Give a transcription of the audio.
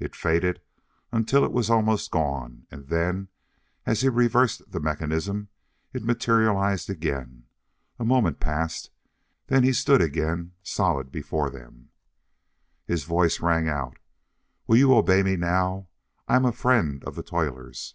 It faded until it was almost gone, and then, as he reversed the mechanism, it materialized again. A moment passed, then he stood again solid before them. His voice rang out, "Will you obey me now? I am a friend of the toilers!"